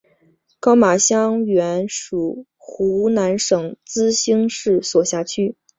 高码乡原属湖南省资兴市所辖乡。